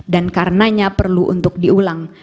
dan karenanya perlu untuk diulang